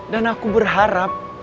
dan aku berharap